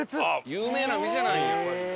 有名な店なんや。